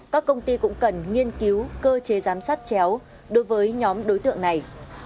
các công ty cũng cần nghiên cứu cơ chế giám sát chéo đối với nhóm đối tượng này